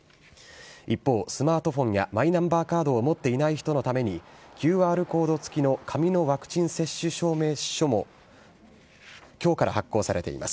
一方、スマートフォンやマイナンバーカードを持っていない人のために、ＱＲコード付きの紙のワクチン接種証明書もきょうから発行されています。